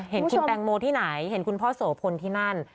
เห็นคุณแตงโมที่ไหนเห็นคุณพ่อโสพลที่นั่น